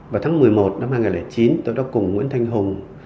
vào tháng một mươi một năm hai nghìn chín tôi đã cùng nguyễn thanh hùng